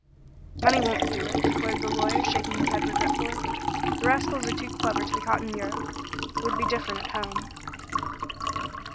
"Money won't do it," declared the lawyer, shaking his head regretfully. "The rascals are too clever to be caught in Europe. It would be different at home."